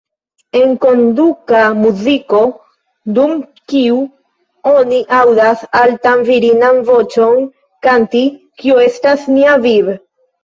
Enkonduka muziko, dum kiu oni aŭdas altan virinan voĉon kanti ""Kio estas nia viv'?